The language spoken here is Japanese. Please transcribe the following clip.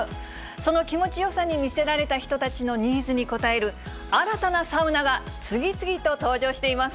その気持ちよさに魅せられた人たちのニーズに応える、新たなサウナが次々と登場しています。